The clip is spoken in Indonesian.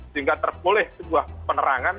sehingga terboleh sebuah penerangan